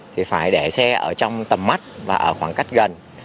thì phải để xe ở trong tầm mắt và ở khoảng cách gần